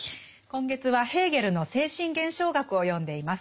今月はヘーゲルの「精神現象学」を読んでいます。